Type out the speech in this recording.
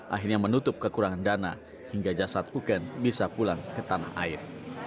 akhirnya menutup kekurangan dana hingga jasad uken bisa pulang ke tanah air